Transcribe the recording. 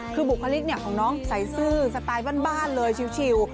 คือบุคลิกของน้องใส่ซื่อสไตล์บ้านเลยชิว